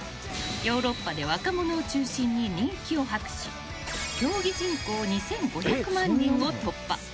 ヨーロッパで若者を中心に人気を博し競技人口２５００万人を突破。